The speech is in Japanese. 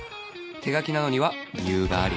手書きなのには理由があり